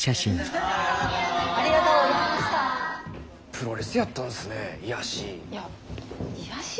プロレスやったんすね癒やし。